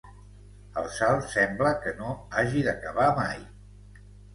El salt sembla que no hagi d'acabar mai.